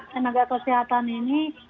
tenaga kesehatan ini